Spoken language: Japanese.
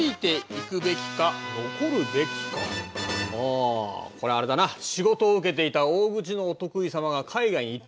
あこれはあれだな仕事を受けていた大口のお得意様が海外に行っちゃうんだな。